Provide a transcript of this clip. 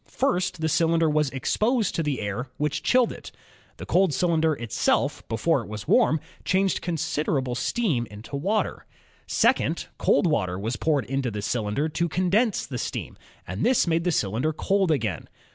First, the cylinder jwas exposed to the air, which chilled it. The cold cyl ^inder itself, before it was warm, changed considerable steam into water. Second, cold water was poured into the cylinder to condense the steam, and this made the cylinder cold again.